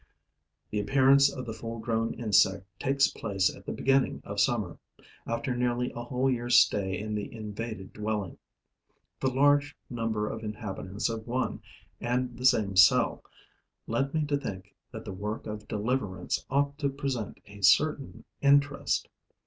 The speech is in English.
The appearance of the full grown insect takes place at the beginning of summer, after nearly a whole year's stay in the invaded dwelling. The large number of inhabitants of one and the same cell led me to think that the work of deliverance ought to present a certain interest.